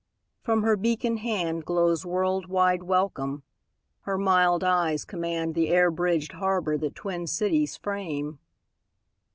From her beacon handGlows world wide welcome; her mild eyes commandThe air bridged harbour that twin cities frame.